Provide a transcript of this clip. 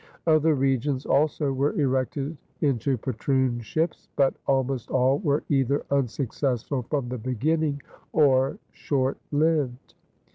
Other regions also were erected into patroonships; but almost all were either unsuccessful from the beginning or short lived.